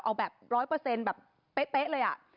เอาแบบร้อยเปอร์เซ็นต์แบบเป๊ะเลยอ่ะ